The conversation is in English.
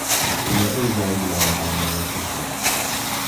He now resides in Alabama with his wife.